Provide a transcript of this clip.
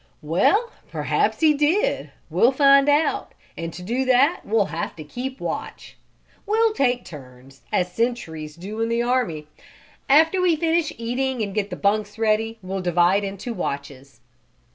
"Well, perhaps he did. We'll find out. And to do that we'll have to keep watch. We'll take turns, as sentries do in the army. After we finish eating and get the bunks ready we'll divide into watches."